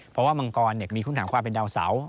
เพราะว่ามังกรมีคุณถังความเป็นดาวเสา